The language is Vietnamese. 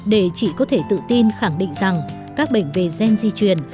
để chị có thể tự tin khẳng định rằng các bệnh về gen di truyền